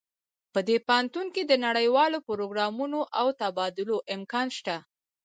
په دې پوهنتون کې د نړیوالو پروګرامونو او تبادلو امکان شته